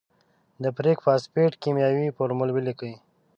د فیریک فاسفیټ کیمیاوي فورمول ولیکئ.